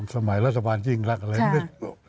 สมัยรัฐบาลยิ่งรักอะไรอย่างนี้